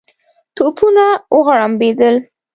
توپونه وغړمبېدل.